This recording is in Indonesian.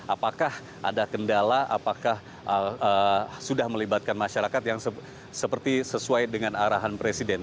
apakah ada kendala apakah sudah melibatkan masyarakat yang seperti sesuai dengan arahan presiden